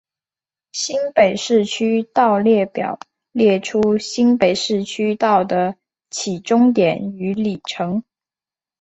新北市区道列表列出新北市区道的起终点与里程。